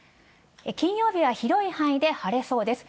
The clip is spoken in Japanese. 金曜日は広い範囲で晴れそうです。